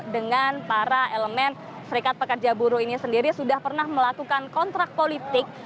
dengan para elemen serikat pekerja buruh ini sendiri sudah pernah melakukan kontrak politik